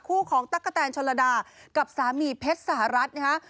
คู่ของตั๊กกะแตนชนระดากับสามีเพชรสหรัฐนะฮะ